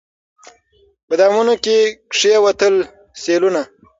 په دامونو کي یې کښېوتل سېلونه